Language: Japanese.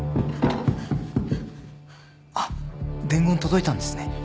あっ伝言届いたんですね。